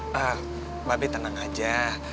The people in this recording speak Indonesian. pak be tenang aja